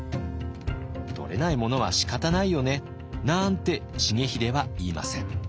「とれないものは仕方ないよね」なんて重秀は言いません。